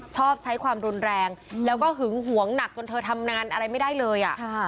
ชอบใช้ความรุนแรงแล้วก็หึงหวงหนักจนเธอทำงานอะไรไม่ได้เลย